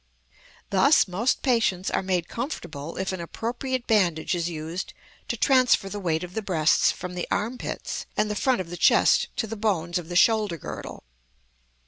Thus most patients are made comfortable if an appropriate bandage is used to transfer the weight of the breasts from the arm pits and the front of the chest to the bones of the shoulder girdle.